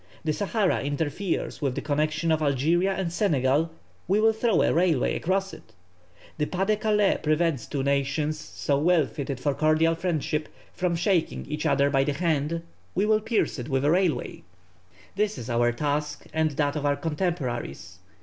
The Sahara interferes with the connexion of Algeria and Senegal; we will throw a railway across it. The Pas de Calais prevents two nations so well fitted for cordial friendship from shaking each other by the hand; we will pierce it with a railway! This is our task and that of our contemporaries.